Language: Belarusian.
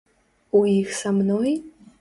У іх са мной?